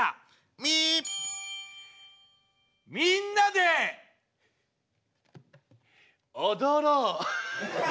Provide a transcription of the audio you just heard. みんなで踊ろう。